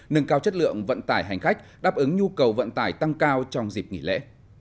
nâng cao chất lượng vận tải hành khách đáp ứng nhu cầu vận tải tăng cao trong dịp nghỉ lễ